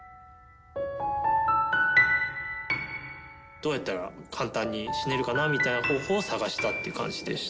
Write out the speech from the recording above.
どうやったら簡単に死ねるかなみたいな方法を探してたっていう感じでしたね。